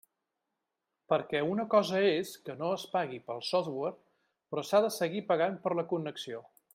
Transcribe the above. Perquè una cosa és que no es pagui pel software, però s'ha de seguir pagant per la connexió.